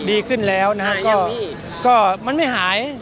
ดีขึ้นแล้วนะฮะก็มันไม่หาย